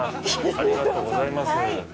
ありがとうございます。